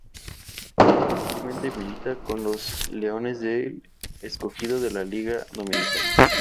Actualmente milita con los Leones del Escogido en la Liga Dominicana.